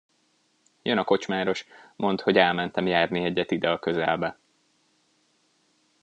jön a kocsmáros, mondd, hogy elmentem járni egyet ide a közelbe.